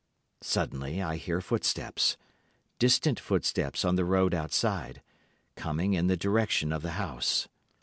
Suddenly I hear footsteps—distant footsteps on the road outside—coming in the direction of the house.